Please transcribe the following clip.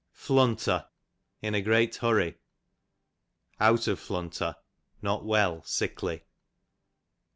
Flunter, in a great hurry ; out of flunter, not well, sickly.